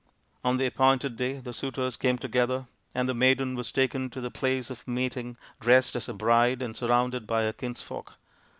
On the appointed day the suitors came together, and the maiden was taken to the place of meeting i68 THE INDIAN STORY BOOK dressed as a bride and surrounded by her kinsfolk.